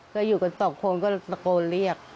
ก็อยู่กัน๒คนก็สะโกรธรรมเรียก